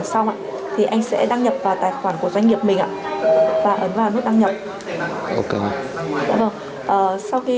sau đó ấn xác nhận yêu cầu